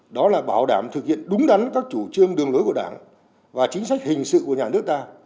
đó là bảo đảm thực hiện đúng đắn các chủ trương đường lối của đảng và chính sách hình sự của nhà nước ta